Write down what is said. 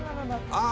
ああ。